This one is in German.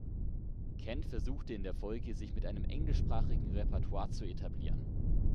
Kent versuchte in der Folge, sich mit einem englischsprachigen Repertoire zu etablieren.